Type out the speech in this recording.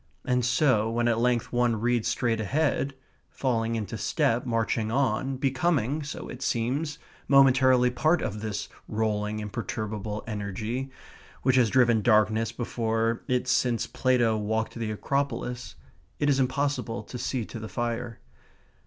And so, when at length one reads straight ahead, falling into step, marching on, becoming (so it seems) momentarily part of this rolling, imperturbable energy, which has driven darkness before it since Plato walked the Acropolis, it is impossible to see to the fire.